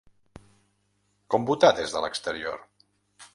Com votar des de l’exterior?